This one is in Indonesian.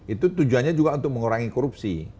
itu tujuannya juga untuk mengurangi korupsi